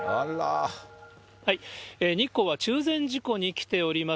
日光は中禅寺湖に来ております。